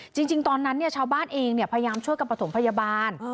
จริงตอนนั้นเนี่ยชาวบ้านเองเนี่ยพยายามช่วยกับปฐมพยาบาล